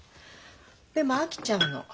でも飽きちゃうの。